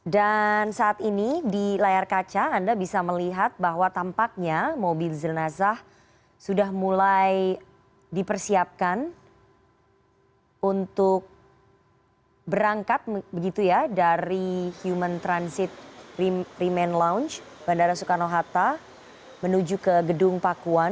dan saat ini di layar kaca anda bisa melihat bahwa tampaknya mobil zilnazah sudah mulai dipersiapkan untuk berangkat dari human transit remain lounge bandara soekarno hatta menuju ke gedung pakuan